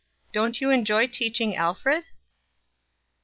Don't you enjoy teaching Alfred?"